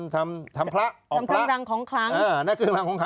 ทำเครื่องรังของขลัง